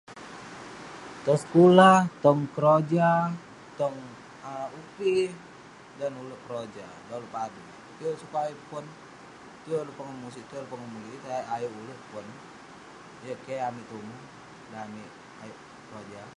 Tong sekulah, tong keroja, tong um upih. Dan ulouk keroja, dan ulouk padui, yeng ulouk sukat ayuk pon. Tuai ulouk pongah musit, tuai ulouk pongah mulik, yeng tajak ayuk ulouk pon. Yeng keh amik tumu, dan amik [unintelligible] keroja.